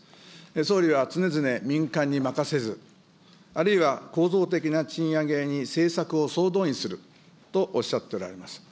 総理は常々民間に任せず、あるいは構造的な賃上げに政策を総動員するとおっしゃっておられます。